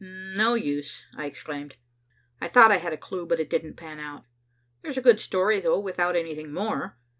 "No use," I exclaimed. "I thought I had a clue, but it didn't pan out. There's a good story though, without anything more.